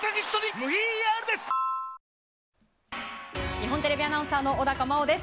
日本テレビアナウンサーの小高茉緒です。